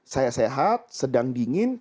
saya sehat sedang dingin